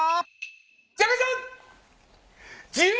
ジャカジャン！